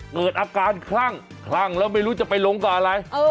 เกิดอาการคลั่งคลั่งแล้วไม่รู้จะไปลงกับอะไร